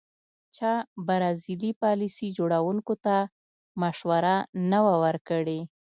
چا برازیلي پالیسي جوړوونکو ته مشوره نه وه ورکړې.